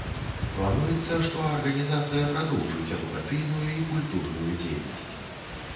Плануецца, што арганізацыя прадоўжыць адукацыйную і культурную дзейнасць.